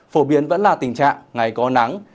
phổ biến vẫn là tình trạng ngày có nắng